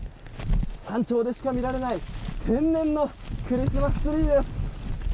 山頂でしか見られない天然のクリスマスツリーです。